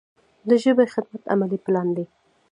د ژبې خدمت عملي پلان دی.